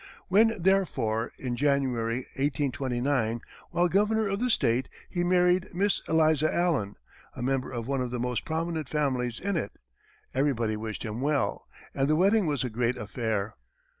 When, therefore, in January, 1829, while governor of the state, he married Miss Eliza Allen, a member of one of the most prominent families in it, everybody wished him well, and the wedding was a great affair.